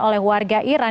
oleh warga iran